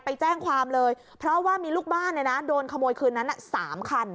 ไปแจ้งความเลยเพราะว่ามีลูกบ้านเนี้ยนะโดนขโมยคืนนั้นอ่ะสามคัน